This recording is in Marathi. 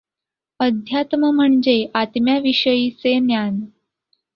अध्यात्म म्हणजे आत्म्याविषयीचे ज्ञान.